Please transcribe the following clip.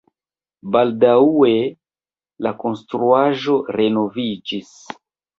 Baldaŭe la konstruaĵo renoviĝis.